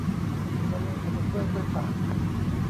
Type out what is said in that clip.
ละเลงขนมเบื้องด้วยปาก